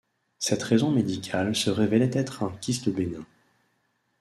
Cette raison médicale se révélait être un kyste bénin.